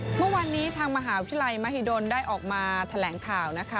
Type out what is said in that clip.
เมื่อวานนี้ทางมหาวิทยาลัยมหิดลได้ออกมาแถลงข่าวนะคะ